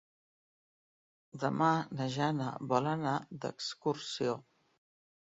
Demà na Jana vol anar d'excursió.